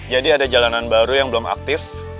jadi ada jalanan baru yang belum aktif